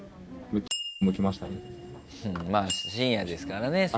うんまあ深夜ですからね